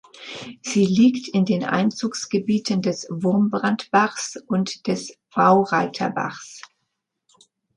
Sie liegt in den Einzugsgebieten des Wurmbrandbachs und des Baureither Bachs.